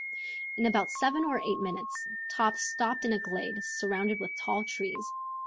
In about seven or eight minutes Top stopped in a glade surrounded with tall trees.